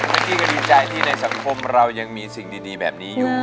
เมื่อกี้ก็ดีใจที่ในสังคมเรายังมีสิ่งดีแบบนี้อยู่